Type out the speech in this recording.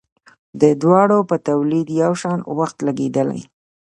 د دواړو په تولید یو شان وخت لګیدلی.